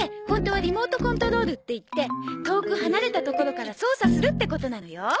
ホントはリモートコントロールっていって遠く離れた所から操作するってことなのよ。